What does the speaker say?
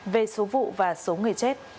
về số vụ và số người chết